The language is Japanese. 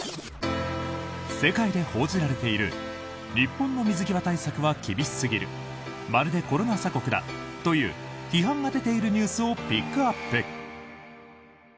世界で報じられている日本の水際対策は厳しすぎるまるでコロナ鎖国だという批判が出ているニュースをピックアップ。